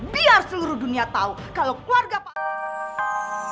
biar seluruh dunia tahu kalau keluarga pak